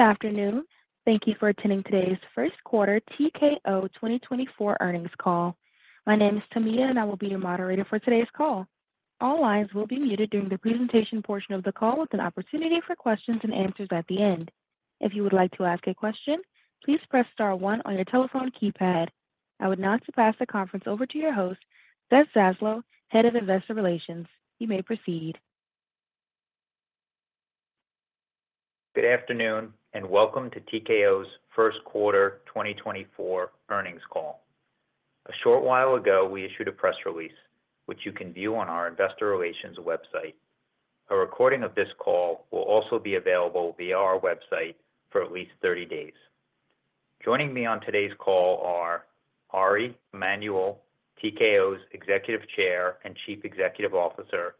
Good afternoon. Thank you for attending today's First Quarter TKO 2024 Earnings Call. My name is Tamia, and I will be your moderator for today's call. All lines will be muted during the presentation portion of the call with an opportunity for questions and answers at the end. If you would like to ask a question, please press star 1 on your telephone keypad. I would now turn the conference over to your host, Seth Zaslow, Head of Investor Relations. You may proceed. Good afternoon and welcome to TKO's First Quarter 2024 Earnings Call. A short while ago, we issued a press release, which you can view on our investor relations website. A recording of this call will also be available via our website for at least 30 days. Joining me on today's call are Ari Emanuel, TKO's Executive Chair and Chief Executive Officer;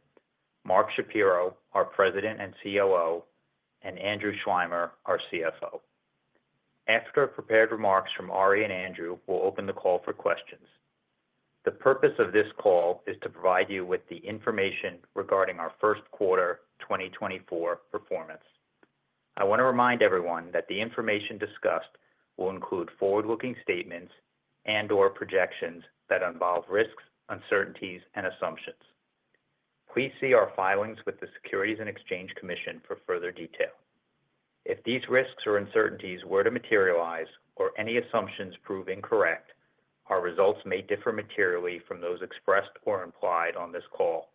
Mark Shapiro, our President and COO; and Andrew Schleimer, our CFO. After prepared remarks from Ari and Andrew, we'll open the call for questions. The purpose of this call is to provide you with the information regarding our first-quarter 2024 performance. I want to remind everyone that the information discussed will include forward-looking statements and/or projections that involve risks, uncertainties, and assumptions. Please see our filings with the Securities and Exchange Commission for further detail. If these risks or uncertainties were to materialize or any assumptions prove incorrect, our results may differ materially from those expressed or implied on this call.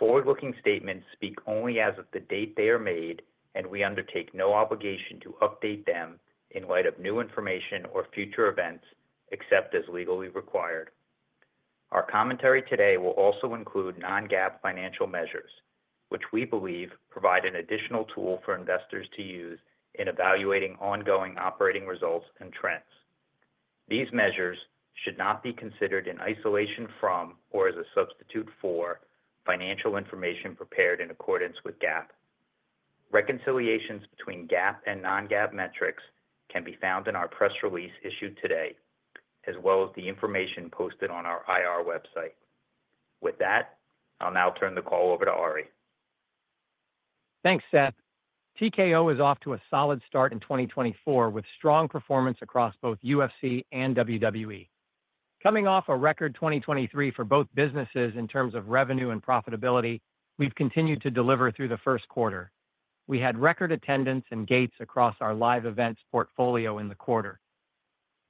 Forward-looking statements speak only as of the date they are made, and we undertake no obligation to update them in light of new information or future events except as legally required. Our commentary today will also include non-GAAP financial measures, which we believe provide an additional tool for investors to use in evaluating ongoing operating results and trends. These measures should not be considered in isolation from or as a substitute for financial information prepared in accordance with GAAP. Reconciliations between GAAP and non-GAAP metrics can be found in our press release issued today, as well as the information posted on our IR website. With that, I'll now turn the call over to Ari. Thanks, Seth. TKO is off to a solid start in 2024 with strong performance across both UFC and WWE. Coming off a record 2023 for both businesses in terms of revenue and profitability, we've continued to deliver through the first quarter. We had record attendance and gates across our live events portfolio in the quarter.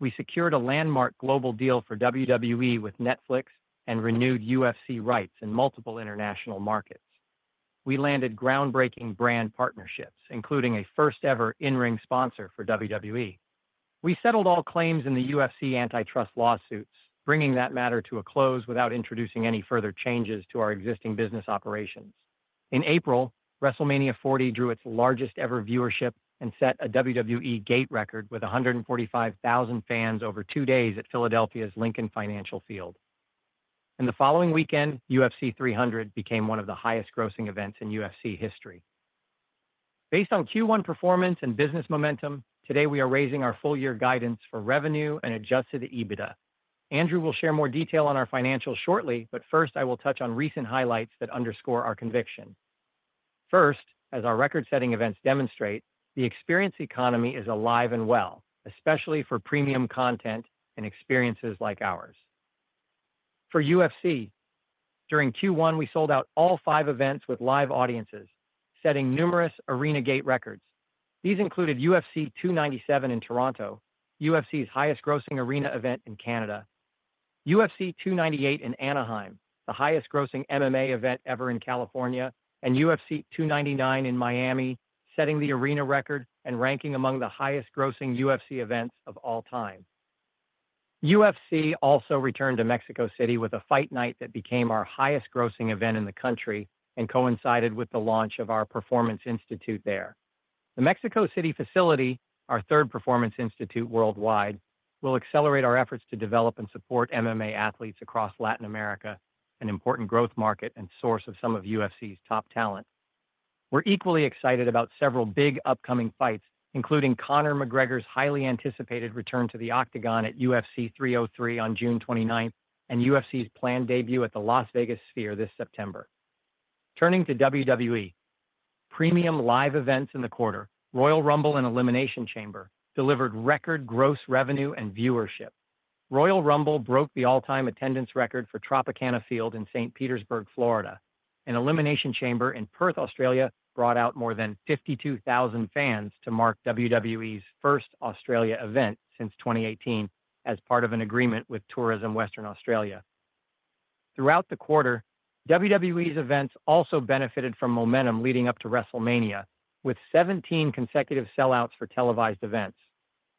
We secured a landmark global deal for WWE with Netflix and renewed UFC rights in multiple international markets. We landed groundbreaking brand partnerships, including a first-ever in-ring sponsor for WWE. We settled all claims in the UFC antitrust lawsuits, bringing that matter to a close without introducing any further changes to our existing business operations. In April, WrestleMania 40 drew its largest-ever viewership and set a WWE gate record with 145,000 fans over two days at Philadelphia's Lincoln Financial Field. The following weekend, UFC 300 became one of the highest-grossing events in UFC history. Based on Q1 performance and business momentum, today we are raising our full-year guidance for revenue and Adjusted EBITDA. Andrew will share more detail on our financials shortly, but first I will touch on recent highlights that underscore our conviction. First, as our record-setting events demonstrate, the Experience Economy is alive and well, especially for premium content and experiences like ours. For UFC, during Q1 we sold out all five events with live audiences, setting numerous arena gate records. These included UFC 297 in Toronto, UFC's highest-grossing arena event in Canada, UFC 298 in Anaheim, the highest-grossing MMA event ever in California, and UFC 299 in Miami, setting the arena record and ranking among the highest-grossing UFC events of all time. UFC also returned to Mexico City with a Fight Night that became our highest-grossing event in the country and coincided with the launch of our Performance Institute there. The Mexico City facility, our third Performance Institute worldwide, will accelerate our efforts to develop and support MMA athletes across Latin America, an important growth market and source of some of UFC's top talent. We're equally excited about several big upcoming fights, including Conor McGregor's highly anticipated return to the Octagon at UFC 303 on June 29th and UFC's planned debut at the Las Vegas Sphere this September. Turning to WWE, premium live events in the quarter, Royal Rumble and Elimination Chamber, delivered record gross revenue and viewership. Royal Rumble broke the all-time attendance record for Tropicana Field in St. Petersburg, Florida. And Elimination Chamber in Perth, Australia, brought out more than 52,000 fans to mark WWE's first Australia event since 2018 as part of an agreement with Tourism Western Australia. Throughout the quarter, WWE's events also benefited from momentum leading up to WrestleMania, with 17 consecutive sellouts for televised events.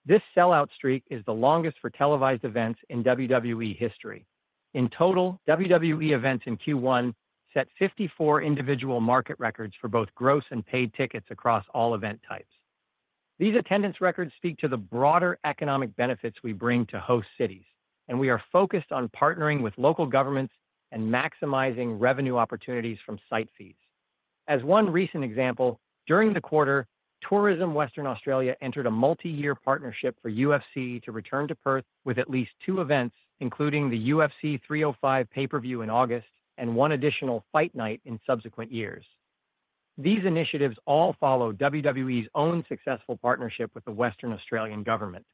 This sellout streak is the longest for televised events in WWE history. In total, WWE events in Q1 set 54 individual market records for both gross and paid tickets across all event types. These attendance records speak to the broader economic benefits we bring to host cities, and we are focused on partnering with local governments and maximizing revenue opportunities from site fees. As one recent example, during the quarter, Tourism Western Australia entered a multi-year partnership for UFC to return to Perth with at least two events, including the UFC 305 pay-per-view in August and one additional Fight Night in subsequent years. These initiatives all follow WWE's own successful partnership with the Western Australian government.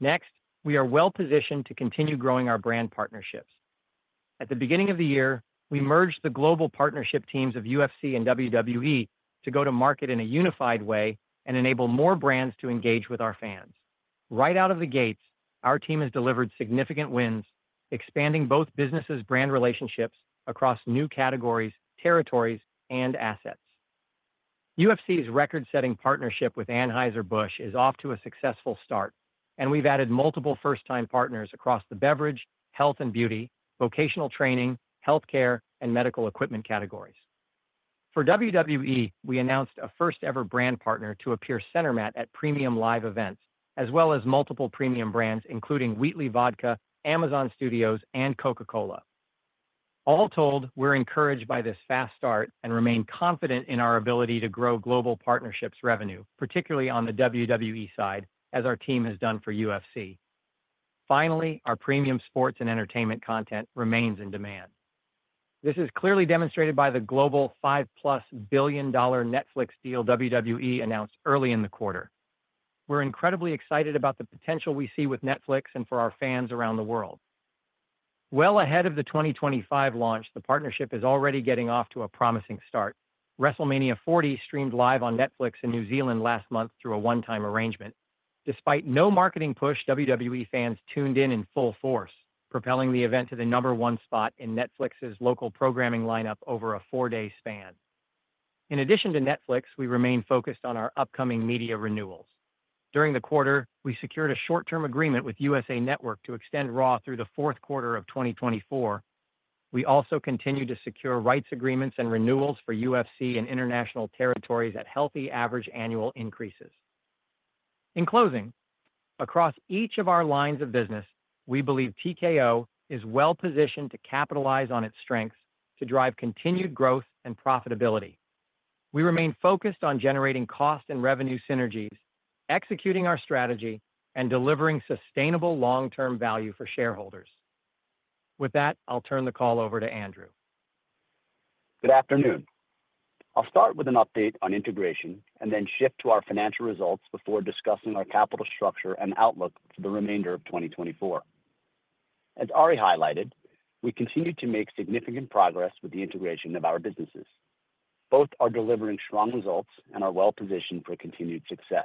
Next, we are well-positioned to continue growing our brand partnerships. At the beginning of the year, we merged the global partnership teams of UFC and WWE to go to market in a unified way and enable more brands to engage with our fans. Right out of the gates, our team has delivered significant wins, expanding both businesses' brand relationships across new categories, territories, and assets. UFC's record-setting partnership with Anheuser-Busch is off to a successful start, and we've added multiple first-time partners across the beverage, health, and beauty, vocational training, healthcare, and medical equipment categories. For WWE, we announced a first-ever brand partner to appear center mat at premium live events, as well as multiple premium brands including Wheatley Vodka, Amazon Studios, and Coca-Cola. All told, we're encouraged by this fast start and remain confident in our ability to grow global partnerships revenue, particularly on the WWE side, as our team has done for UFC. Finally, our premium sports and entertainment content remains in demand. This is clearly demonstrated by the global $5+ billion Netflix deal WWE announced early in the quarter. We're incredibly excited about the potential we see with Netflix and for our fans around the world. Well ahead of the 2025 launch, the partnership is already getting off to a promising start. WrestleMania 40 streamed live on Netflix in New Zealand last month through a one-time arrangement. Despite no marketing push, WWE fans tuned in in full force, propelling the event to the number one spot in Netflix's local programming lineup over a four-day span. In addition to Netflix, we remain focused on our upcoming media renewals. During the quarter, we secured a short-term agreement with USA Network to extend Raw through the fourth quarter of 2024. We also continue to secure rights agreements and renewals for UFC and international territories at healthy average annual increases. In closing, across each of our lines of business, we believe TKO is well-positioned to capitalize on its strengths to drive continued growth and profitability. We remain focused on generating cost and revenue synergies, executing our strategy, and delivering sustainable long-term value for shareholders. With that, I'll turn the call over to Andrew. Good afternoon. I'll start with an update on integration and then shift to our financial results before discussing our capital structure and outlook for the remainder of 2024. As Ari highlighted, we continue to make significant progress with the integration of our businesses. Both are delivering strong results and are well-positioned for continued success.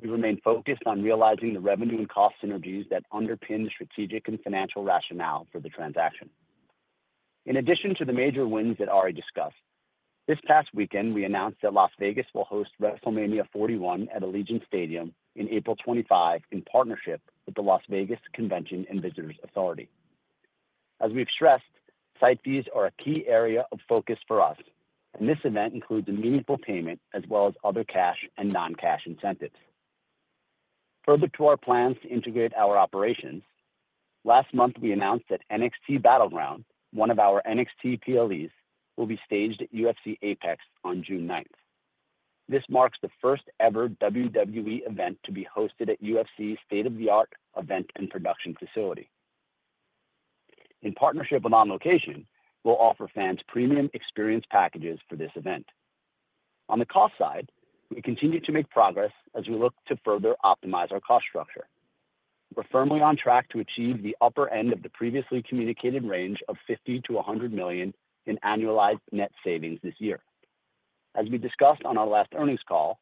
We remain focused on realizing the revenue and cost synergies that underpin the strategic and financial rationale for the transaction. In addition to the major wins that Ari discussed, this past weekend we announced that Las Vegas will host WrestleMania 41 at Allegiant Stadium in April '25 in partnership with the Las Vegas Convention and Visitors Authority. As we've stressed, site fees are a key area of focus for us, and this event includes a meaningful payment as well as other cash and non-cash incentives. Further to our plans to integrate our operations, last month we announced that NXT Battleground, one of our NXT PLEs, will be staged at UFC APEX on June 9th. This marks the first-ever WWE event to be hosted at UFC's state-of-the-art event and production facility. In partnership with On Location, we'll offer fans premium experience packages for this event. On the cost side, we continue to make progress as we look to further optimize our cost structure. We're firmly on track to achieve the upper end of the previously communicated range of $50 million-$100 million in annualized net savings this year. As we discussed on our last earnings call,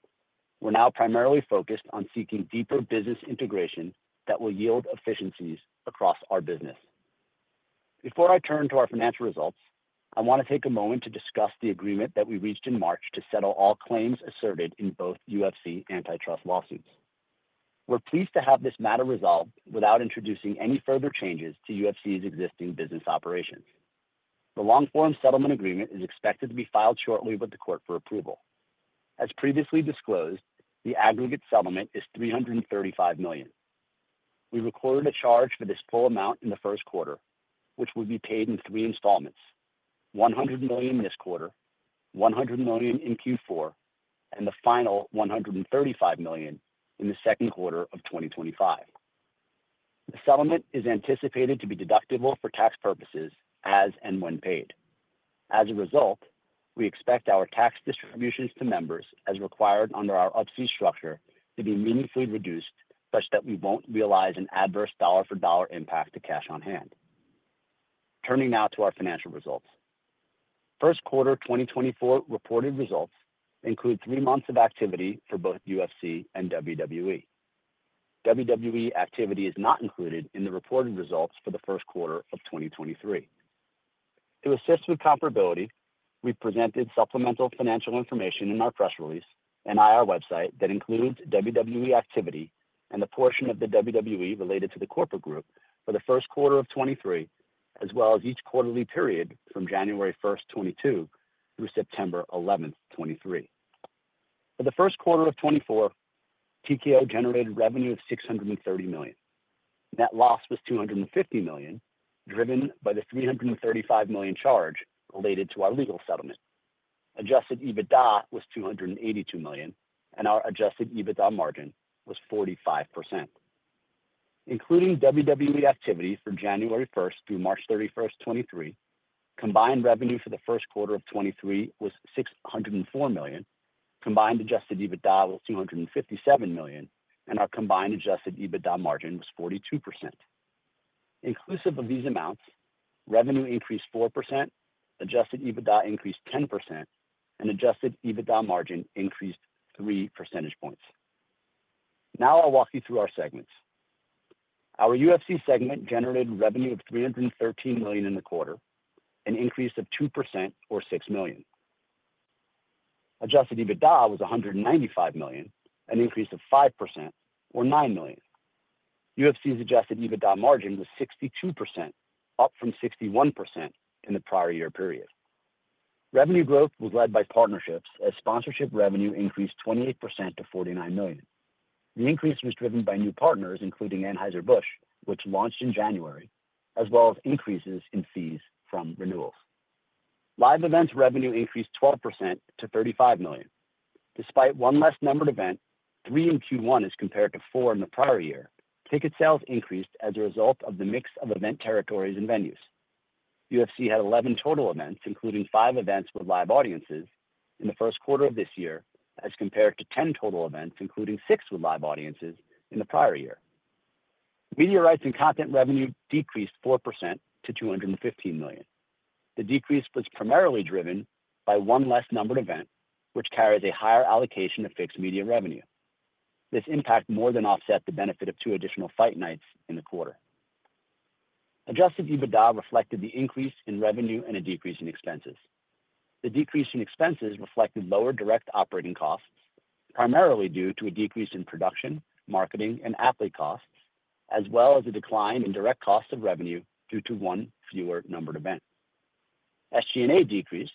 we're now primarily focused on seeking deeper business integration that will yield efficiencies across our business. Before I turn to our financial results, I want to take a moment to discuss the agreement that we reached in March to settle all claims asserted in both UFC antitrust lawsuits. We're pleased to have this matter resolved without introducing any further changes to UFC's existing business operations. The long-form settlement agreement is expected to be filed shortly with the court for approval. As previously disclosed, the aggregate settlement is $335 million. We recorded a charge for this full amount in the first quarter, which would be paid in three installments: $100 million this quarter, $100 million in Q4, and the final $135 million in the second quarter of 2025. The settlement is anticipated to be deductible for tax purposes as and when paid. As a result, we expect our tax distributions to members, as required under our Up-C structure, to be meaningfully reduced such that we won't realize an adverse dollar-for-dollar impact to cash on hand. Turning now to our financial results. First quarter 2024 reported results include three months of activity for both UFC and WWE. WWE activity is not included in the reported results for the first quarter of 2023. To assist with comparability, we presented supplemental financial information in our press release and IR website that includes WWE activity and the portion of the WWE related to the corporate group for the first quarter of 2023, as well as each quarterly period from January 1, 2022 through September 11, 2023. For the first quarter of 2024, TKO generated revenue of $630 million. Net loss was $250 million, driven by the $335 million charge related to our legal settlement. Adjusted EBITDA was $282 million, and our adjusted EBITDA margin was 45%. Including WWE activity for January 1 through March 31, 2023, combined revenue for the first quarter of 2023 was $604 million. Combined adjusted EBITDA was $257 million, and our combined adjusted EBITDA margin was 42%. Inclusive of these amounts, revenue increased 4%, adjusted EBITDA increased 10%, and adjusted EBITDA margin increased 3 percentage points. Now I'll walk you through our segments. Our UFC segment generated revenue of $313 million in the quarter, an increase of 2% or $6 million. Adjusted EBITDA was $195 million, an increase of 5% or $9 million. UFC's adjusted EBITDA margin was 62%, up from 61% in the prior year period. Revenue growth was led by partnerships as sponsorship revenue increased 28% to $49 million. The increase was driven by new partners, including Anheuser-Busch, which launched in January, as well as increases in fees from renewals. Live events revenue increased 12% to $35 million. Despite one less-numbered event, three in Q1 as compared to four in the prior year, ticket sales increased as a result of the mix of event territories and venues. UFC had 11 total events, including five events with live audiences in the first quarter of this year as compared to 10 total events, including six with live audiences in the prior year. Media rights and content revenue decreased 4% to $215 million. The decrease was primarily driven by one less-numbered event, which carries a higher allocation of fixed media revenue. This impact more than offset the benefit of two additional Fight Nights in the quarter. Adjusted EBITDA reflected the increase in revenue and a decrease in expenses. The decrease in expenses reflected lower direct operating costs, primarily due to a decrease in production, marketing, and athlete costs, as well as a decline in direct costs of revenue due to one fewer-numbered event. SG&A decreased,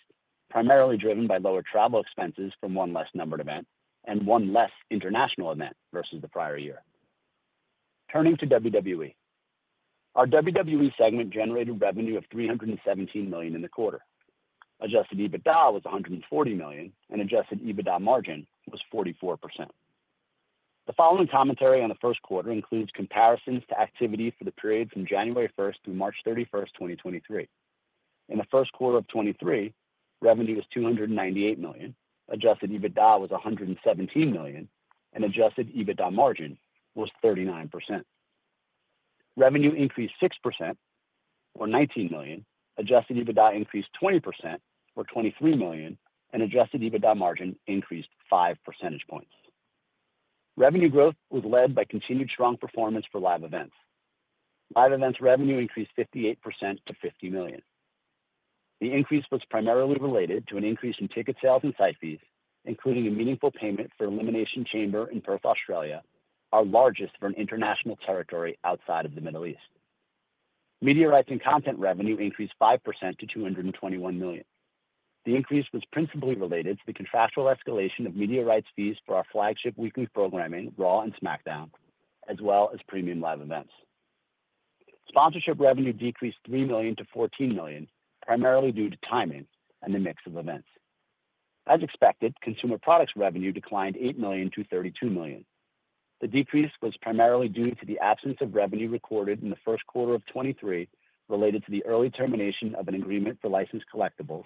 primarily driven by lower travel expenses from one less-numbered event and one less international event versus the prior year. Turning to WWE. Our WWE segment generated revenue of $317 million in the quarter. Adjusted EBITDA was $140 million, and adjusted EBITDA margin was 44%. The following commentary on the first quarter includes comparisons to activity for the period from January 1 through March 31, 2023. In the first quarter of 2023, revenue was $298 million, adjusted EBITDA was $117 million, and adjusted EBITDA margin was 39%. Revenue increased 6% or $19 million, adjusted EBITDA increased 20% or $23 million, and adjusted EBITDA margin increased 5 percentage points. Revenue growth was led by continued strong performance for live events. Live events revenue increased 58% to $50 million. The increase was primarily related to an increase in ticket sales and site fees, including a meaningful payment for Elimination Chamber in Perth, Australia, our largest for an international territory outside of the Middle East. Media rights and content revenue increased 5% to $221 million. The increase was principally related to the contractual escalation of media rights fees for our flagship weekly programming, Raw and SmackDown, as well as Premium Live Events. Sponsorship revenue decreased $3 million to $14 million, primarily due to timing and the mix of events. As expected, consumer products revenue declined $8 million to $32 million. The decrease was primarily due to the absence of revenue recorded in the first quarter of 2023 related to the early termination of an agreement for license collectibles,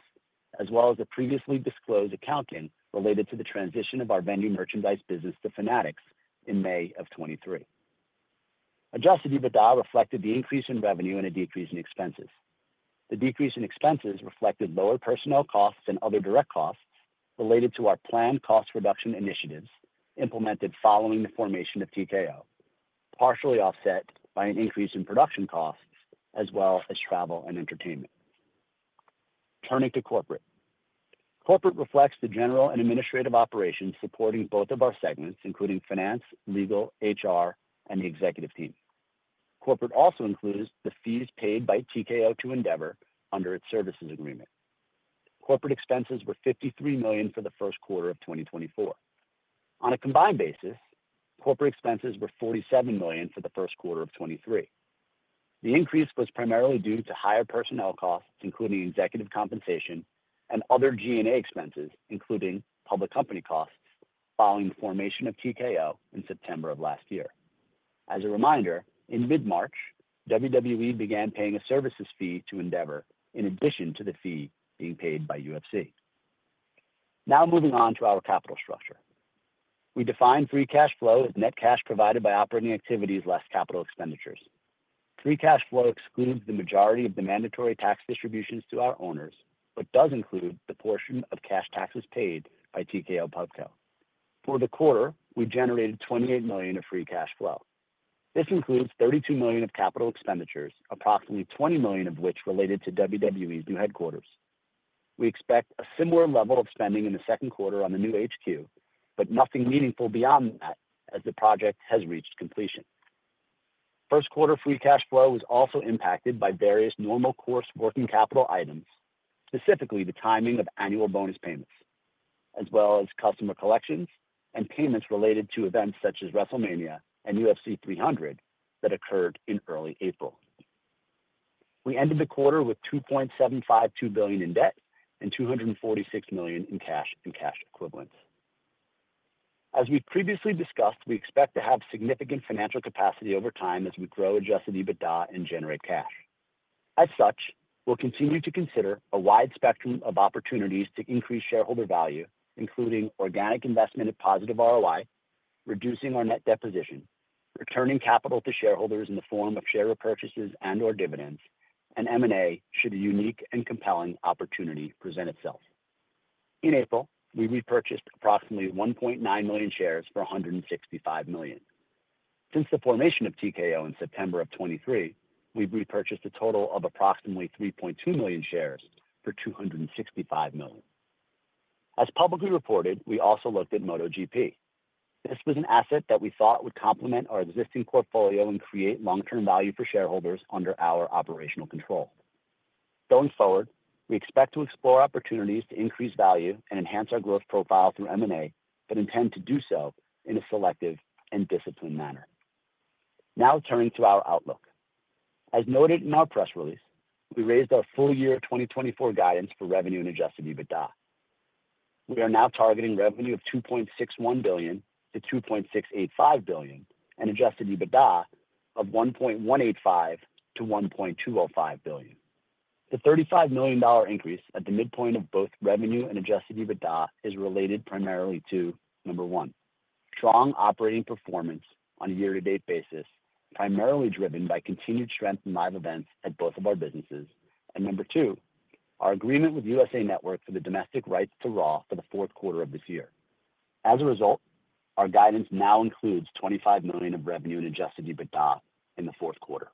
as well as the previously disclosed accounting related to the transition of our venue merchandise business to Fanatics in May of 2023. Adjusted EBITDA reflected the increase in revenue and a decrease in expenses. The decrease in expenses reflected lower personnel costs and other direct costs related to our planned cost reduction initiatives implemented following the formation of TKO, partially offset by an increase in production costs as well as travel and entertainment. Turning to Corporate. Corporate reflects the general and administrative operations supporting both of our segments, including finance, legal, HR, and the executive team. Corporate also includes the fees paid by TKO to Endeavor under its services agreement. Corporate expenses were $53 million for the first quarter of 2024. On a combined basis, corporate expenses were $47 million for the first quarter of 2023. The increase was primarily due to higher personnel costs, including executive compensation and other G&A expenses, including public company costs following the formation of TKO in September of last year. As a reminder, in mid-March, WWE began paying a services fee to Endeavor in addition to the fee being paid by UFC. Now moving on to our capital structure. We define free cash flow as net cash provided by operating activities less capital expenditures. Free cash flow excludes the majority of the mandatory tax distributions to our owners but does include the portion of cash taxes paid by TKO PubCo. For the quarter, we generated $28 million of free cash flow. This includes $32 million of capital expenditures, approximately $20 million of which related to WWE's new headquarters. We expect a similar level of spending in the second quarter on the new HQ, but nothing meaningful beyond that as the project has reached completion. First quarter free cash flow was also impacted by various normal course working capital items, specifically the timing of annual bonus payments, as well as customer collections and payments related to events such as WrestleMania and UFC 300 that occurred in early April. We ended the quarter with $2.752 billion in debt and $246 million in cash and cash equivalents. As we previously discussed, we expect to have significant financial capacity over time as we grow Adjusted EBITDA and generate cash. As such, we'll continue to consider a wide spectrum of opportunities to increase shareholder value, including organic investment at positive ROI, reducing our net debt position, returning capital to shareholders in the form of share repurchases and/or dividends, and M&A should a unique and compelling opportunity present itself. In April, we repurchased approximately 1.9 million shares for $165 million. Since the formation of TKO in September of 2023, we've repurchased a total of approximately 3.2 million shares for $265 million. As publicly reported, we also looked at MotoGP. This was an asset that we thought would complement our existing portfolio and create long-term value for shareholders under our operational control. Going forward, we expect to explore opportunities to increase value and enhance our growth profile through M&A but intend to do so in a selective and disciplined manner. Now turning to our outlook. As noted in our press release, we raised our full year 2024 guidance for revenue and Adjusted EBITDA. We are now targeting revenue of $2.61 billion-$2.685 billion and Adjusted EBITDA of $1.185 billion-$1.205 billion. The $35 million increase at the midpoint of both revenue and Adjusted EBITDA is related primarily to, number one, strong operating performance on a year-to-date basis, primarily driven by continued strength in live events at both of our businesses. And number two, our agreement with USA Network for the domestic rights to RAW for the fourth quarter of this year. As a result, our guidance now includes $25 million of revenue and Adjusted EBITDA in the fourth quarter.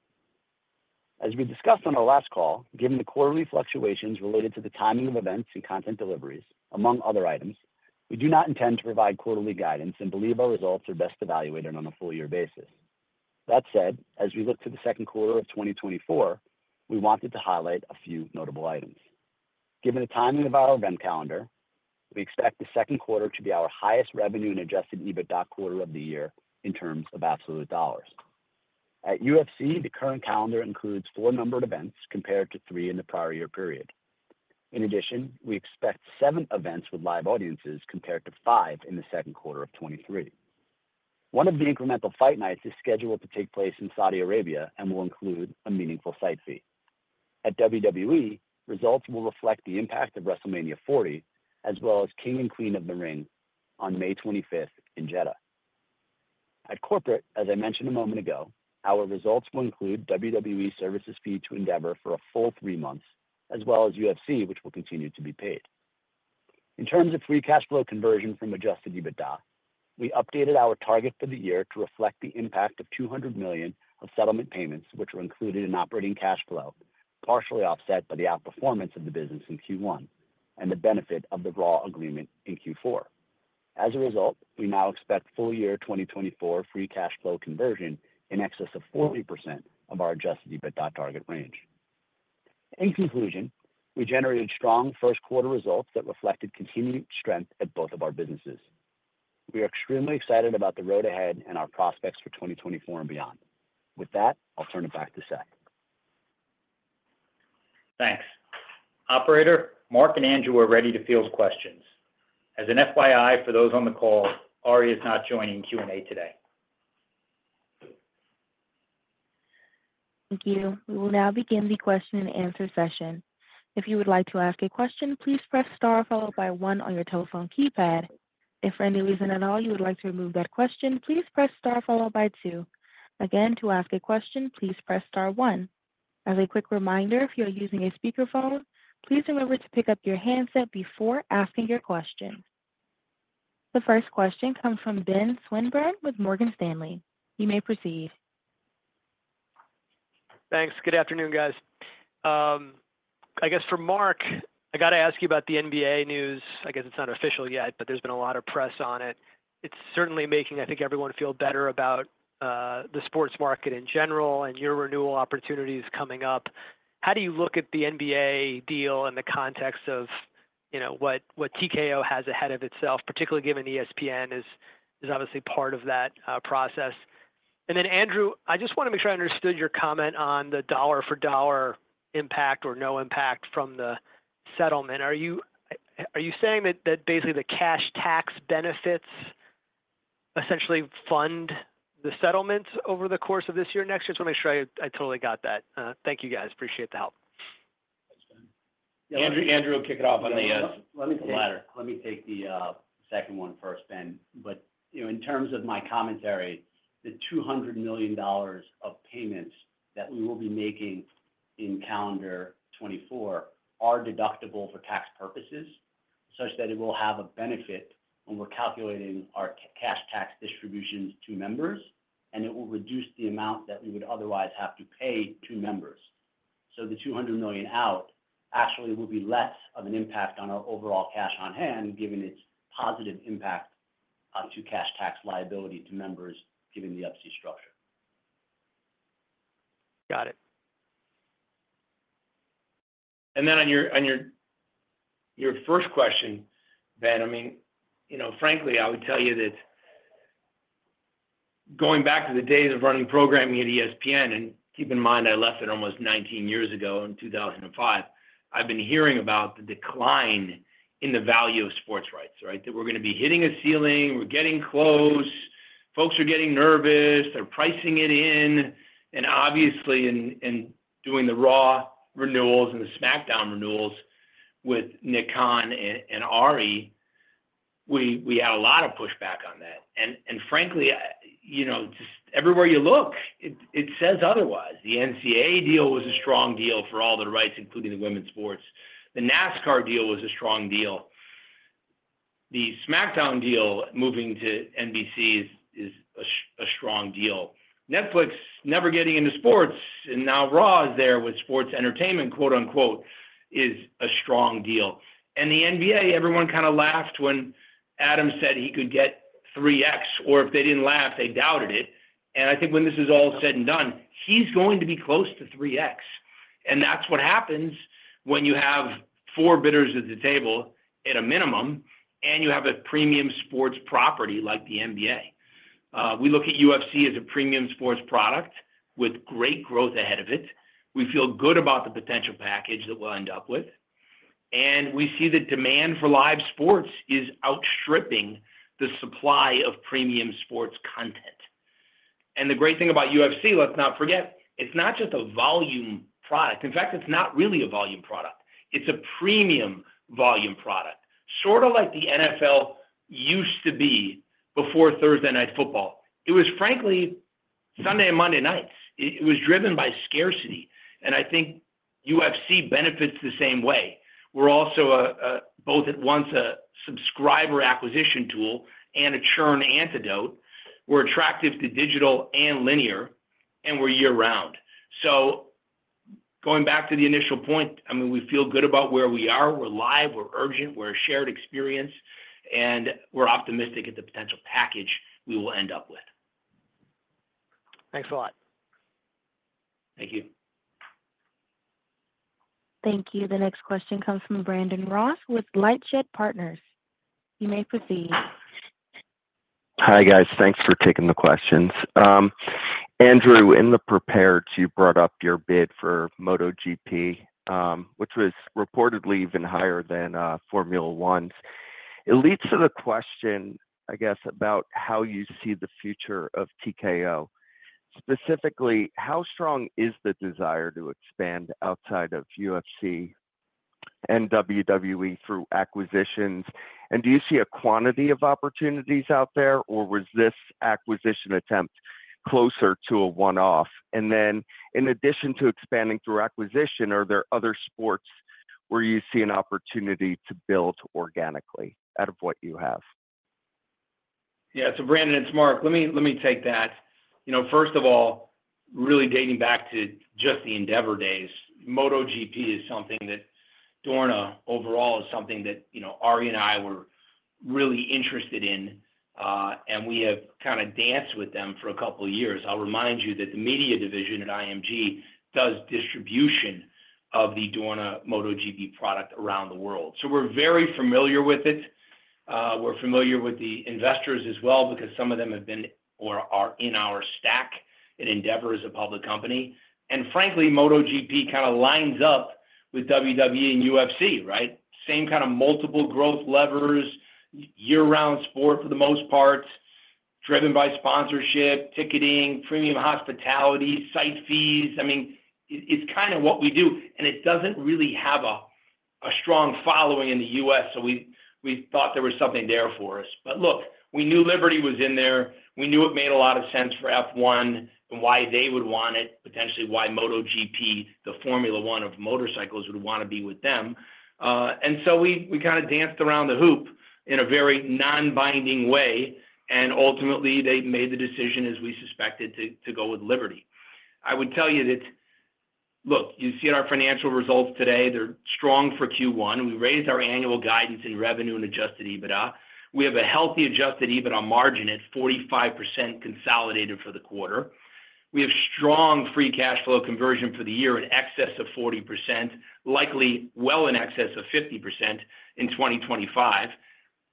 As we discussed on our last call, given the quarterly fluctuations related to the timing of events and content deliveries, among other items, we do not intend to provide quarterly guidance and believe our results are best evaluated on a full year basis. That said, as we look to the second quarter of 2024, we wanted to highlight a few notable items. Given the timing of our event calendar, we expect the second quarter to be our highest revenue and Adjusted EBITDA quarter of the year in terms of absolute dollars. At UFC, the current calendar includes 4-numbered events compared to 3 in the prior year period. In addition, we expect 7 events with live audiences compared to 5 in the second quarter of 2023. One of the incremental Fight Nights is scheduled to take place in Saudi Arabia and will include a meaningful site fee. At WWE, results will reflect the impact of WrestleMania 40 as well as King and Queen of the Ring on May 25th in Jeddah. At corporate, as I mentioned a moment ago, our results will include WWE services fee to Endeavor for a full 3 months as well as UFC, which will continue to be paid. In terms of free cash flow conversion from adjusted EBITDA, we updated our target for the year to reflect the impact of $200 million of settlement payments, which were included in operating cash flow, partially offset by the outperformance of the business in Q1 and the benefit of the RAW agreement in Q4. As a result, we now expect full year 2024 free cash flow conversion in excess of 40% of our adjusted EBITDA target range. In conclusion, we generated strong first quarter results that reflected continued strength at both of our businesses. We are extremely excited about the road ahead and our prospects for 2024 and beyond. With that, I'll turn it back to Seth. Thanks. Operator, Mark and Andrew are ready to field questions. As an FYI for those on the call, Ari is not joining Q&A today. Thank you. We will now begin the question-and-answer session. If you would like to ask a question, please press star followed by one on your telephone keypad. If for any reason at all you would like to remove that question, please press star followed by two. Again, to ask a question, please press star one. As a quick reminder, if you are using a speakerphone, please remember to pick up your handset before asking your question. The first question comes from Ben Swinburne with Morgan Stanley. You may proceed. Thanks. Good afternoon, guys. I guess for Mark, I got to ask you about the NBA news. I guess it's not official yet, but there's been a lot of press on it. It's certainly making, I think, everyone feel better about the sports market in general and your renewal opportunities coming up. How do you look at the NBA deal in the context of what TKO has ahead of itself, particularly given ESPN is obviously part of that process? And then, Andrew, I just want to make sure I understood your comment on the dollar-for-dollar impact or no impact from the settlement. Are you saying that basically the cash tax benefits essentially fund the settlements over the course of this year and next year? I just want to make sure I totally got that. Thank you, guys. Appreciate the help. Andrew, kick it off on the ladder. Let me take the second one first, Ben. But in terms of my commentary, the $200 million of payments that we will be making in calendar 2024 are deductible for tax purposes such that it will have a benefit when we're calculating our cash tax distributions to members, and it will reduce the amount that we would otherwise have to pay to members. So the $200 million out actually will be less of an impact on our overall cash on hand given its positive impact to cash tax liability to members given the upstream structure. Got it. Then on your first question, Ben, I mean, frankly, I would tell you that going back to the days of running programming at ESPN and keep in mind I left it almost 19 years ago in 2005, I've been hearing about the decline in the value of sports rights, right? That we're going to be hitting a ceiling. We're getting close. Folks are getting nervous. They're pricing it in. And obviously, in doing the Raw renewals and the SmackDown renewals with Nick Khan and Ari, we had a lot of pushback on that. And frankly, just everywhere you look, it says otherwise. The NCAA deal was a strong deal for all the rights, including the women's sports. The NASCAR deal was a strong deal. The SmackDown deal moving to NBC is a strong deal. Netflix never getting into sports and now Raw is there with sports entertainment, "is a strong deal." The NBA, everyone kind of laughed when Adam said he could get 3X or if they didn't laugh, they doubted it. I think when this is all said and done, he's going to be close to 3X. That's what happens when you have 4 bidders at the table at a minimum and you have a premium sports property like the NBA. We look at UFC as a premium sports product with great growth ahead of it. We feel good about the potential package that we'll end up with. We see that demand for live sports is outstripping the supply of premium sports content. The great thing about UFC, let's not forget, it's not just a volume product. In fact, it's not really a volume product. It's a premium volume product, sort of like the NFL used to be before Thursday Night Football. It was, frankly, Sunday and Monday nights. It was driven by scarcity. And I think UFC benefits the same way. We're also both at once a subscriber acquisition tool and a churn antidote. We're attractive to digital and linear, and we're year-round. So going back to the initial point, I mean, we feel good about where we are. We're live. We're urgent. We're a shared experience. And we're optimistic at the potential package we will end up with. Thanks a lot. Thank you. Thank you. The next question comes from Brandon Ross with LightShed Partners. You may proceed. Hi, guys. Thanks for taking the questions. Andrew, in the prepareds, you brought up your bid for MotoGP, which was reportedly even higher than Formula 1's. It leads to the question, I guess, about how you see the future of TKO. Specifically, how strong is the desire to expand outside of UFC and WWE through acquisitions? And do you see a quantity of opportunities out there, or was this acquisition attempt closer to a one-off? And then in addition to expanding through acquisition, are there other sports where you see an opportunity to build organically out of what you have? Yeah. So Brandon, it's Mark. Let me take that. First of all, really dating back to just the Endeavor days, MotoGP is something that Dorna overall is something that Ari and I were really interested in, and we have kind of danced with them for a couple of years. I'll remind you that the media division at IMG does distribution of the Dorna MotoGP product around the world. So we're very familiar with it. We're familiar with the investors as well because some of them have been or are in our stack. And Endeavor is a public company. And frankly, MotoGP kind of lines up with WWE and UFC, right? Same kind of multiple growth levers, year-round sport for the most part, driven by sponsorship, ticketing, premium hospitality, site fees. I mean, it's kind of what we do. It doesn't really have a strong following in the US, so we thought there was something there for us. But look, we knew Liberty was in there. We knew it made a lot of sense for F1 and why they would want it, potentially why MotoGP, the Formula 1 of motorcycles, would want to be with them. And so we kind of danced around the hoop in a very non-binding way. And ultimately, they made the decision, as we suspected, to go with Liberty. I would tell you that, look, you see at our financial results today, they're strong for Q1. We raised our annual guidance in revenue and Adjusted EBITDA. We have a healthy Adjusted EBITDA margin at 45% consolidated for the quarter. We have strong free cash flow conversion for the year in excess of 40%, likely well in excess of 50% in 2025.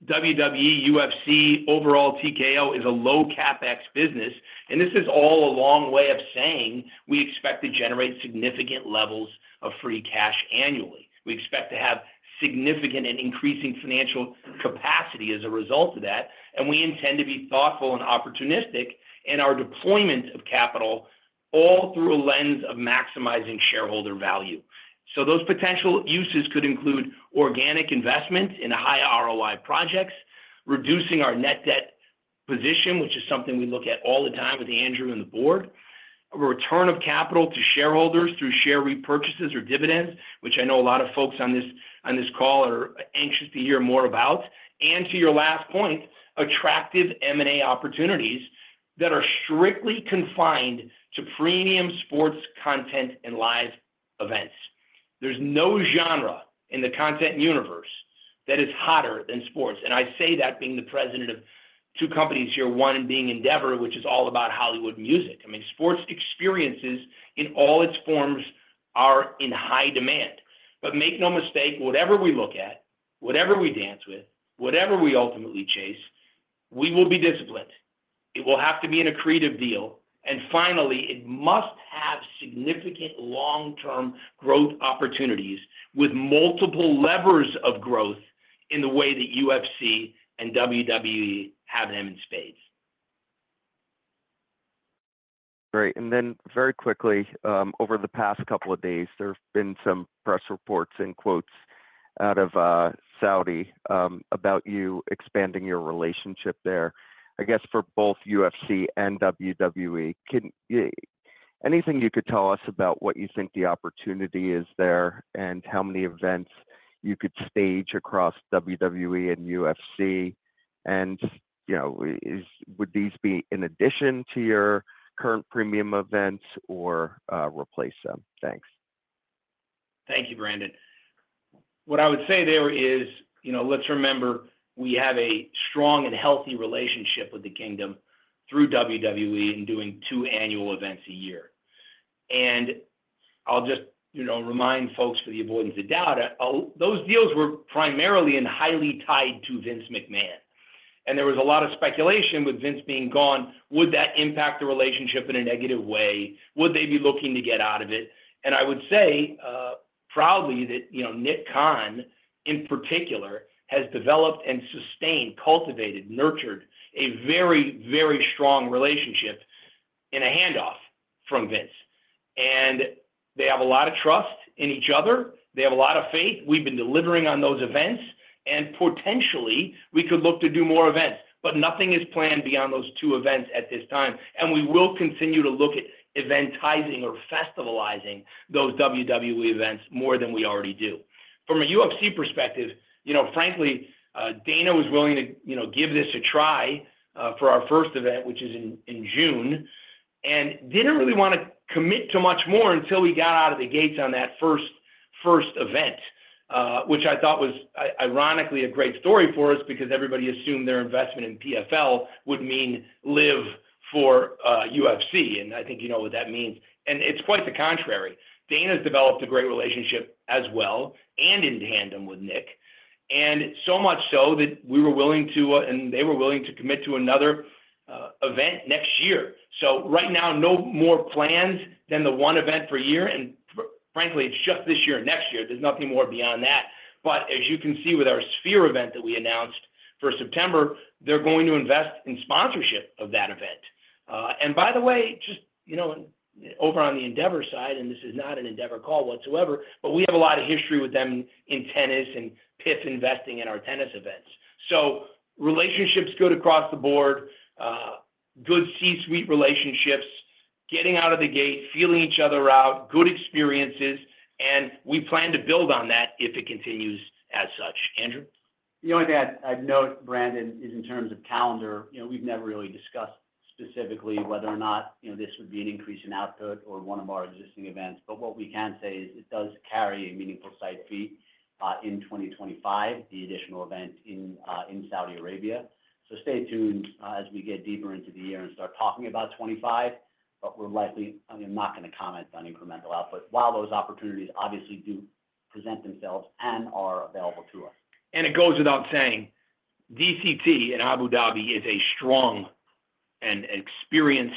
WWE, UFC, overall TKO is a low-CapEx business. This is all a long way of saying we expect to generate significant levels of free cash annually. We expect to have significant and increasing financial capacity as a result of that. We intend to be thoughtful and opportunistic in our deployment of capital all through a lens of maximizing shareholder value. Those potential uses could include organic investment in high-ROI projects, reducing our net debt position, which is something we look at all the time with Andrew and the board, a return of capital to shareholders through share repurchases or dividends, which I know a lot of folks on this call are anxious to hear more about. To your last point, attractive M&A opportunities that are strictly confined to premium sports content and live events. There's no genre in the content universe that is hotter than sports. I say that being the president of two companies here, one being Endeavor, which is all about Hollywood music. I mean, sports experiences in all its forms are in high demand. Make no mistake, whatever we look at, whatever we dance with, whatever we ultimately chase, we will be disciplined. It will have to be in a creative deal. And finally, it must have significant long-term growth opportunities with multiple levers of growth in the way that UFC and WWE have them in spades. Great. And then very quickly, over the past couple of days, there have been some press reports and quotes out of Saudi about you expanding your relationship there. I guess for both UFC and WWE, anything you could tell us about what you think the opportunity is there and how many events you could stage across WWE and UFC? And would these be in addition to your current premium events or replace them? Thanks. Thank you, Brandon. What I would say there is let's remember we have a strong and healthy relationship with the kingdom through WWE in doing two annual events a year. I'll just remind folks for the avoidance of doubt, those deals were primarily and highly tied to Vince McMahon. There was a lot of speculation with Vince being gone. Would that impact the relationship in a negative way? Would they be looking to get out of it? I would say proudly that Nick Khan, in particular, has developed and sustained, cultivated, nurtured a very, very strong relationship in a handoff from Vince. They have a lot of trust in each other. They have a lot of faith. We've been delivering on those events. Potentially, we could look to do more events, but nothing is planned beyond those two events at this time. And we will continue to look at eventizing or festivalizing those WWE events more than we already do. From a UFC perspective, frankly, Dana was willing to give this a try for our first event, which is in June, and didn't really want to commit to much more until we got out of the gates on that first event, which I thought was ironically a great story for us because everybody assumed their investment in PFL would mean live for UFC. And I think you know what that means. And it's quite the contrary. Dana's developed a great relationship as well and in tandem with Nick, and so much so that we were willing to and they were willing to commit to another event next year. So right now, no more plans than the one event per year. And frankly, it's just this year and next year. There's nothing more beyond that. But as you can see with our Sphere event that we announced for September, they're going to invest in sponsorship of that event. And by the way, just over on the Endeavor side - and this is not an Endeavor call whatsoever - but we have a lot of history with them in tennis and PIF investing in our tennis events. So relationships good across the board, good C-suite relationships, getting out of the gate, feeling each other out, good experiences. And we plan to build on that if it continues as such. Andrew? The only thing I'd note, Brandon, is in terms of calendar, we've never really discussed specifically whether or not this would be an increase in output or one of our existing events. But what we can say is it does carry a meaningful site fee in 2025, the additional event in Saudi Arabia. So stay tuned as we get deeper into the year and start talking about 2025, but we're likely not going to comment on incremental output while those opportunities obviously do present themselves and are available to us. It goes without saying, DCT in Abu Dhabi is a strong and experienced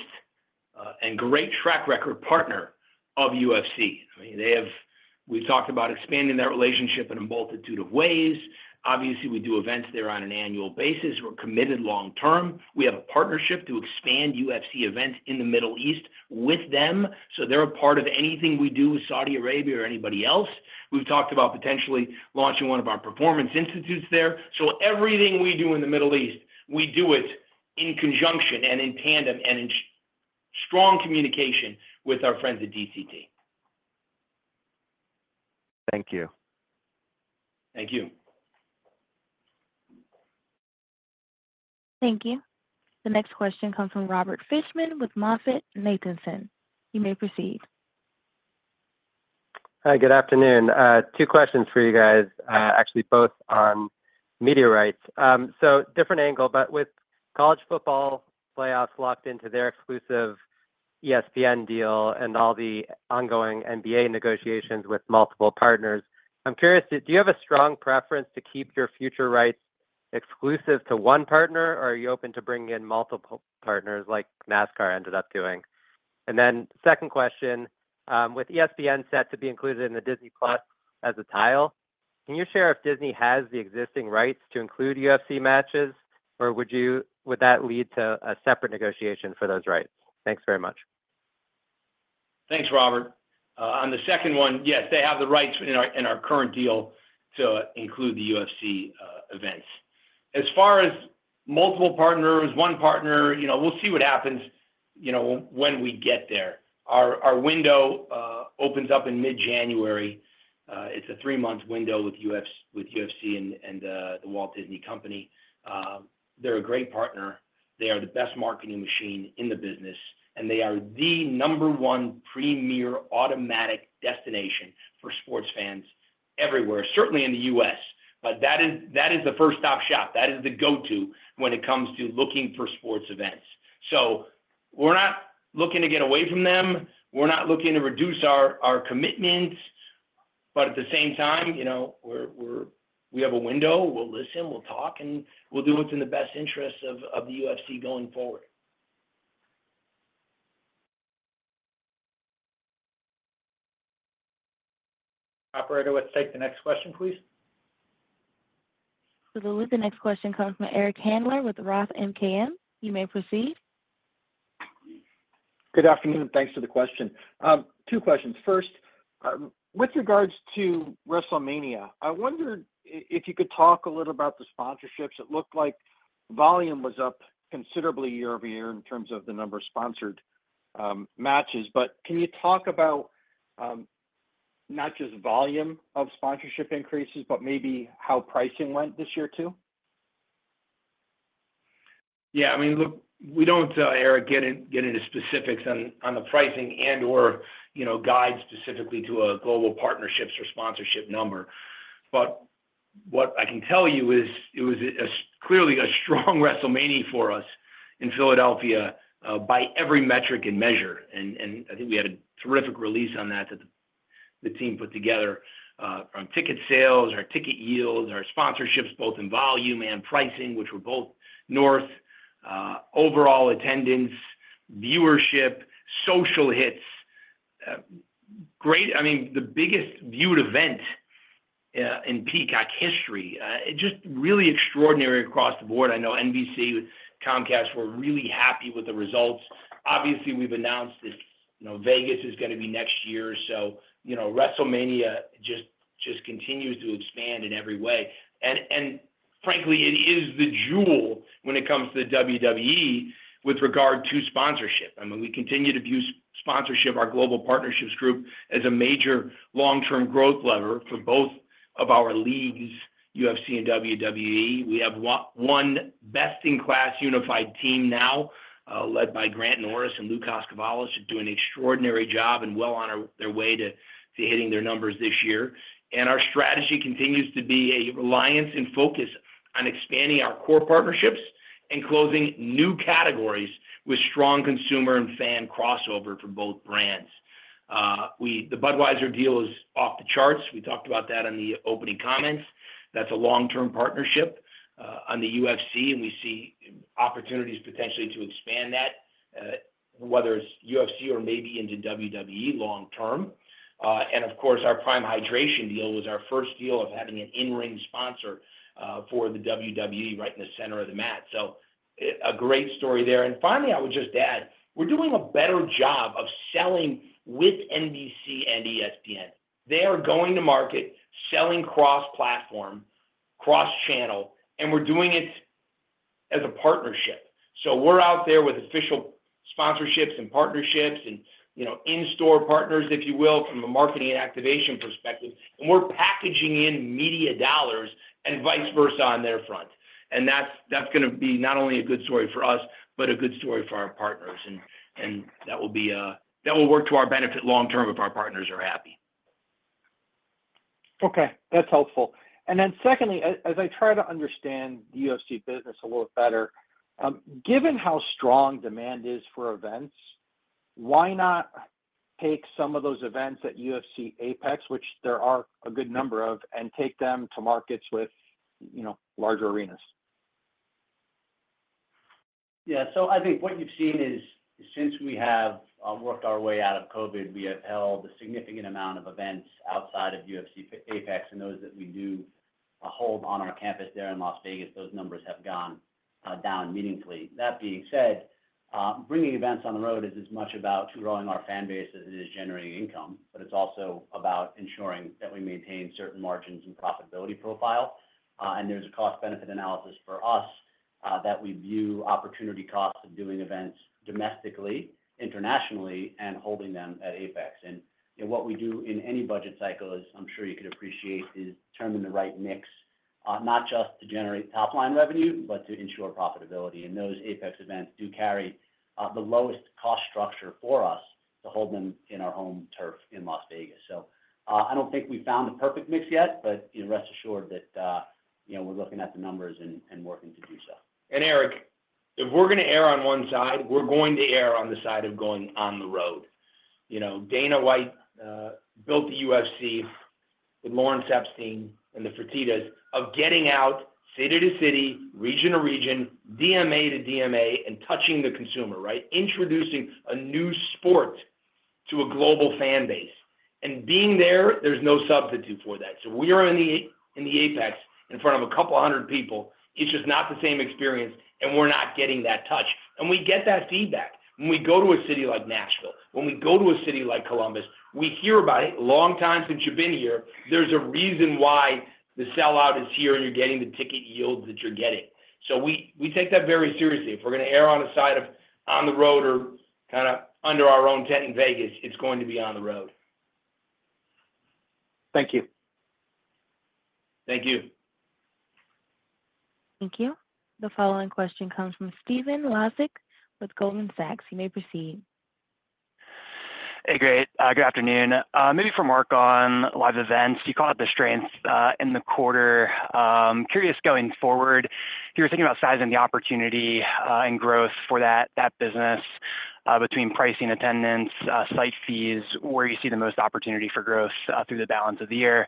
and great track record partner of UFC. I mean, we've talked about expanding that relationship in a multitude of ways. Obviously, we do events there on an annual basis. We're committed long-term. We have a partnership to expand UFC events in the Middle East with them. So they're a part of anything we do with Saudi Arabia or anybody else. We've talked about potentially launching one of our Performance Institutes there. So everything we do in the Middle East, we do it in conjunction and in tandem and in strong communication with our friends at DCT. Thank you. Thank you. Thank you. The next question comes from Robert Fishman with MoffettNathanson. You may proceed. Hi. Good afternoon. Two questions for you guys, actually both on media rights. So different angle, but with college football playoffs locked into their exclusive ESPN deal and all the ongoing NBA negotiations with multiple partners, I'm curious, do you have a strong preference to keep your future rights exclusive to one partner, or are you open to bringing in multiple partners like NASCAR ended up doing? And then second question, with ESPN set to be included in the Disney+ as a tile, can you share if Disney has the existing rights to include UFC matches, or would that lead to a separate negotiation for those rights? Thanks very much. Thanks, Robert. On the second one, yes, they have the rights in our current deal to include the UFC events. As far as multiple partners, one partner, we'll see what happens when we get there. Our window opens up in mid-January. It's a three-month window with UFC and the Walt Disney Company. They're a great partner. They are the best marketing machine in the business, and they are the number one premier automatic destination for sports fans everywhere, certainly in the US. But that is the first-stop shop. That is the go-to when it comes to looking for sports events. So we're not looking to get away from them. We're not looking to reduce our commitments. But at the same time, we have a window. We'll listen. We'll talk. And we'll do what's in the best interests of the UFC going forward. Operator, let's take the next question, please. The listening question comes from Eric Handler with Roth MKM. You may proceed. Good afternoon. Thanks for the question. Two questions. First, with regards to WrestleMania, I wondered if you could talk a little about the sponsorships. It looked like volume was up considerably year-over-year in terms of the number of sponsored matches. But can you talk about not just volume of sponsorship increases, but maybe how pricing went this year too? Yeah. I mean, look, we don't tell Eric get into specifics on the pricing and/or guide specifically to a Global Partnerships or sponsorship number. But what I can tell you is it was clearly a strong WrestleMania for us in Philadelphia by every metric and measure. And I think we had a terrific release on that that the team put together from ticket sales, our ticket yields, our sponsorships, both in volume and pricing, which were both north, overall attendance, viewership, social hits. I mean, the biggest viewed event in Peacock history, just really extraordinary across the board. I know NBC, Comcast were really happy with the results. Obviously, we've announced that Vegas is going to be next year. So WrestleMania just continues to expand in every way. And frankly, it is the jewel when it comes to the WWE with regard to sponsorship. I mean, we continue to view sponsorship, our global partnerships group, as a major long-term growth lever for both of our leagues, UFC and WWE. We have one best-in-class unified team now led by Grant Norris-Jones and Lou Koskovolis. They're doing an extraordinary job and well on their way to hitting their numbers this year. And our strategy continues to be a reliance and focus on expanding our core partnerships and closing new categories with strong consumer and fan crossover for both brands. The Budweiser deal is off the charts. We talked about that in the opening comments. That's a long-term partnership on the UFC, and we see opportunities potentially to expand that, whether it's UFC or maybe into WWE long-term. And of course, our Prime Hydration deal was our first deal of having an in-ring sponsor for the WWE right in the center of the mat. So a great story there. Finally, I would just add, we're doing a better job of selling with NBC and ESPN. They are going to market, selling cross-platform, cross-channel, and we're doing it as a partnership. So we're out there with official sponsorships and partnerships and in-store partners, if you will, from a marketing and activation perspective. We're packaging in media dollars and vice versa on their front. That's going to be not only a good story for us but a good story for our partners. That will work to our benefit long-term if our partners are happy. Okay. That's helpful. Then secondly, as I try to understand the UFC business a little better, given how strong demand is for events, why not take some of those events at UFC APEX, which there are a good number of, and take them to markets with larger arenas? Yeah. So I think what you've seen is since we have worked our way out of COVID, we have held a significant amount of events outside of UFC APEX. Those that we do hold on our campus there in Las Vegas, those numbers have gone down meaningfully. That being said, bringing events on the road is as much about growing our fan base as it is generating income. It's also about ensuring that we maintain certain margins and profitability profile. There's a cost-benefit analysis for us that we view opportunity costs of doing events domestically, internationally, and holding them at APEX. What we do in any budget cycle, as I'm sure you could appreciate, is determine the right mix, not just to generate top-line revenue but to ensure profitability. And those APEX events do carry the lowest cost structure for us to hold them in our home turf in Las Vegas. So I don't think we found the perfect mix yet, but rest assured that we're looking at the numbers and working to do so. Eric, if we're going to err on one side, we're going to err on the side of going on the road. Dana White built the UFC with Lawrence Epstein and the Fertittas by getting out city to city, region to region, DMA to DMA, and touching the consumer, right, introducing a new sport to a global fan base. Being there, there's no substitute for that. So we are in the APEX in front of a couple hundred people. It's just not the same experience, and we're not getting that touch. We get that feedback when we go to a city like Nashville. When we go to a city like Columbus, we hear about it. Long time since you've been here, there's a reason why the sellout is here, and you're getting the ticket yields that you're getting. So we take that very seriously. If we're going to err on the side of on the road or kind of under our own tent in Vegas, it's going to be on the road. Thank you. Thank you. Thank you. The following question comes from Stephen Laszczyk with Goldman Sachs. You may proceed. Hey, great. Good afternoon. Maybe for Mark on live events, you called it the strength in the quarter. Curious going forward, if you were thinking about sizing the opportunity and growth for that business between pricing, attendance, site fees, where you see the most opportunity for growth through the balance of the year.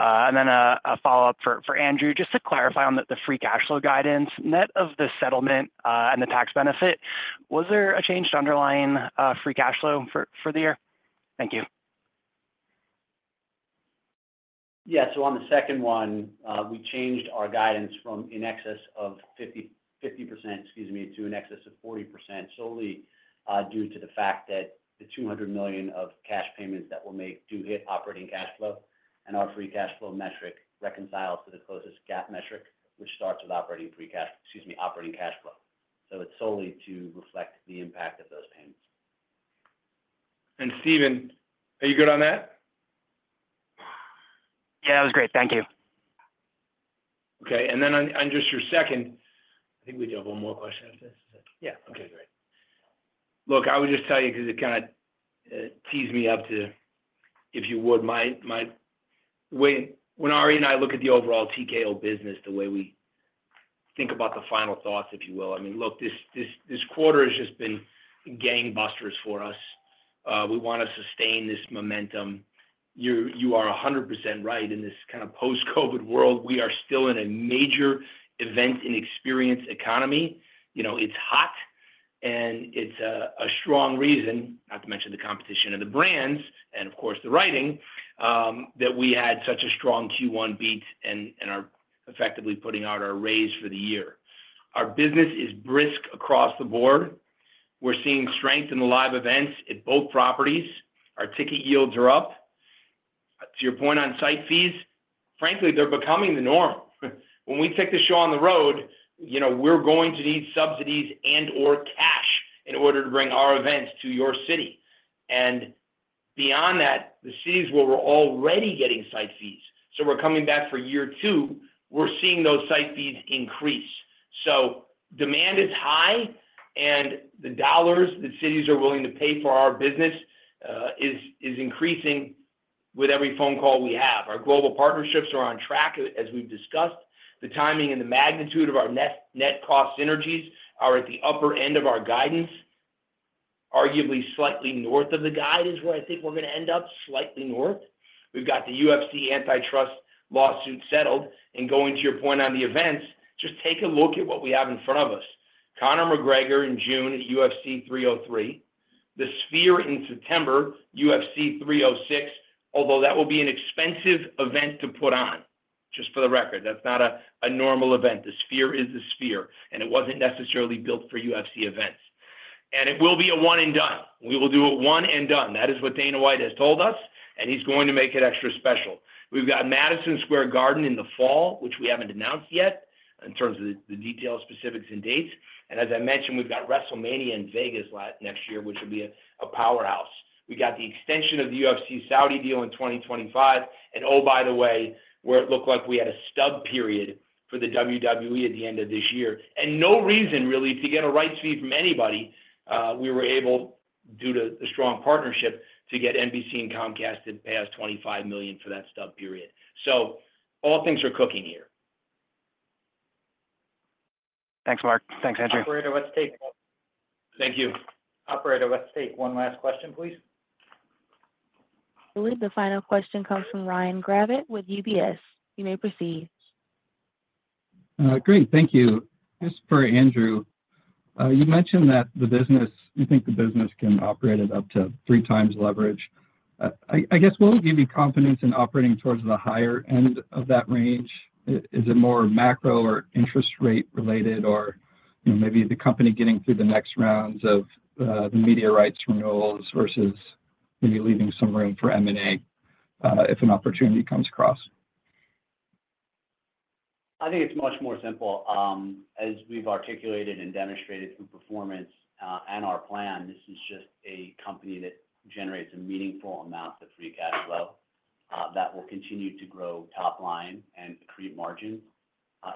And then a follow-up for Andrew, just to clarify on the free cash flow guidance. Net of the settlement and the tax benefit, was there a changed underlying free cash flow for the year? Thank you. Yeah. So on the second one, we changed our guidance from an excess of 50% - excuse me - to an excess of 40% solely due to the fact that the $200 million of cash payments that we'll make do hit operating cash flow. And our free cash flow metric reconciles to the closest GAAP metric, which starts with operating free cash - excuse me - operating cash flow. So it's solely to reflect the impact of those payments. Stephen, are you good on that? Yeah. It was great. Thank you. Okay. And then on just your second, I think we do have one more question after this. Is it? Yeah. Okay. Great. Look, I would just tell you because it kind of tees me up to, if you would, my when Ari and I look at the overall TKO business, the way we think about the final thoughts, if you will. I mean, look, this quarter has just been gangbusters for us. We want to sustain this momentum. You are 100% right. In this kind of post-COVID world, we are still in a major event and experience economy. It's hot. And it's a strong reason, not to mention the competition of the brands and, of course, the writing, that we had such a strong Q1 beat and are effectively putting out our raise for the year. Our business is brisk across the board. We're seeing strength in the live events at both properties. Our ticket yields are up. To your point on site fees, frankly, they're becoming the norm. When we take the show on the road, we're going to need subsidies and/or cash in order to bring our events to your city. And beyond that, the cities where we're already getting site fees, so we're coming back for year two, we're seeing those site fees increase. So demand is high, and the dollars that cities are willing to pay for our business is increasing with every phone call we have. Our global partnerships are on track, as we've discussed. The timing and the magnitude of our net cost synergies are at the upper end of our guidance. Arguably, slightly north of the guide is where I think we're going to end up, slightly north. We've got the UFC antitrust lawsuit settled. And going to your point on the events, just take a look at what we have in front of us. Conor McGregor in June at UFC 303. The Sphere in September, UFC 306, although that will be an expensive event to put on. Just for the record, that's not a normal event. The Sphere is the Sphere, and it wasn't necessarily built for UFC events. And it will be a one-and-done. We will do it one and done. That is what Dana White has told us, and he's going to make it extra special. We've got Madison Square Garden in the fall, which we haven't announced yet in terms of the details, specifics, and dates. And as I mentioned, we've got WrestleMania in Vegas next year, which will be a powerhouse. We got the extension of the UFC Saudi deal in 2025. And oh, by the way, where it looked like we had a stub period for the WWE at the end of this year. And no reason, really, to get a rights fee from anybody. We were able, due to the strong partnership, to get NBC and Comcast to pay us $25 million for that stub period. So all things are cooking here. Thanks, Mark. Thanks, Andrew. Operator, let's take one last question. I believe the final question comes from Ryan Gravett with UBS. You may proceed. Great. Thank you. Just for Andrew, you mentioned that you think the business can operate at up to 3 times leverage. I guess what will give you confidence in operating towards the higher end of that range? Is it more macro or interest rate-related or maybe the company getting through the next rounds of the media rights renewals versus maybe leaving some room for M&A if an opportunity comes across? I think it's much more simple. As we've articulated and demonstrated through performance and our plan, this is just a company that generates a meaningful amount of free cash flow that will continue to grow top-line and create margins.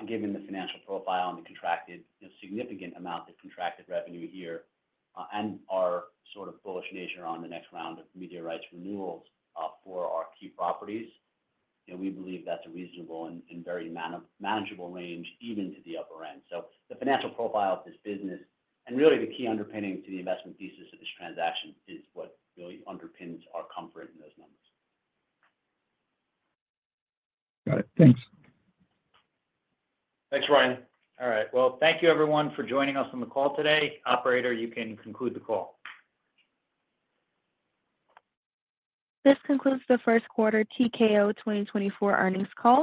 Given the financial profile and the significant amount of contracted revenue here and our sort of bullish nature on the next round of media rights renewals for our key properties, we believe that's a reasonable and very manageable range even to the upper end. So the financial profile of this business and really the key underpinning to the investment thesis of this transaction is what really underpins our comfort in those numbers. Got it. Thanks. Thanks, Ryan. All right. Well, thank you, everyone, for joining us on the call today. Operator, you can conclude the call. This concludes the first quarter TKO 2024 earnings call.